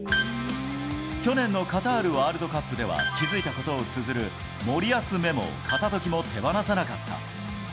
去年のカタールワールドカップでは、気付いたことをつづる森保メモを片時も手放さなかった。